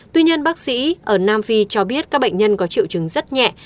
tuy nhiên bác sĩ ở nam phi cho biết các bệnh nhân có triệu chứng rất nhẹ